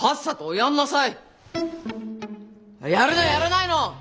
やるのやらないの！？